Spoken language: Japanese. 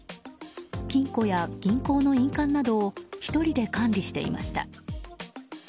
金庫や銀行の印鑑などを１人で管理していました。